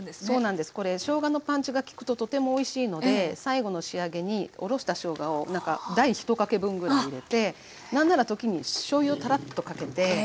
そうなんですこれしょうがのパンチが効くととてもおいしいので最後の仕上げにおろしたしょうがを大１かけ分ぐらい入れて何なら時にしょうゆをたらっとかけて。